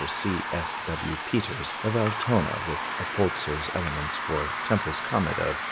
F. W. Peters of Altona with Oppolzer's elements for Tempel's comet of 1866.